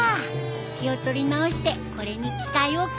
気を取り直してこれに期待をかけよう。